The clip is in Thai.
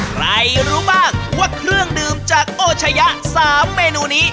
รู้บ้างว่าเครื่องดื่มจากโอชะยะ๓เมนูนี้